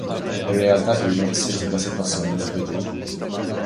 Ir-realtà hi li ma tistax tibda sitwazzjoni mill-bidu.